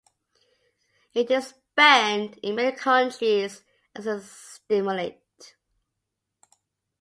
It is banned in many countries as a stimulant.